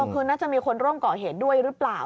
คือน่าจะมีคนร่วมก่อเหตุด้วยหรือเปล่า